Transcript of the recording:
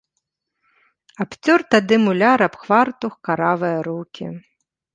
Абцёр тады муляр аб хвартух каравыя рукі.